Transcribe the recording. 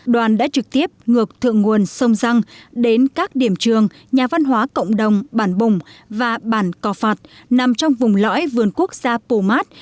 đoàn đã trực tiếp ngược thượng nguồn sông răng đến các điểm trường nhà văn hóa cộng đồng bản bùng và bản cò phạt nằm trong vùng lõi vườn quốc gia pù mát